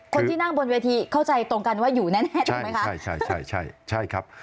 คนที่นั่งบนเวทีเข้าใจตรงกันว่าอยู่แน่ถูกไหมคะ